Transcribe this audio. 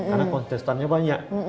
karena kontestannya banyak